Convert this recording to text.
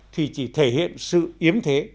thì chỉ thể hiện sự yếm thế